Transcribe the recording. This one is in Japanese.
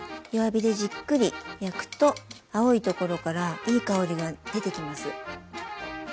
弱火でじっくり焼くと青いところからいい香りが出てきます。